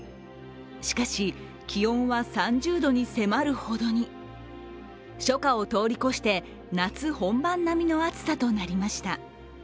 しかし気温は３０度に迫るほどに初夏を通り越して、夏本番並みの暑さとなりました。